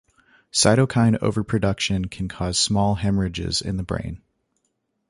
Cytokine overproduction can cause small haemorrhages in the brain.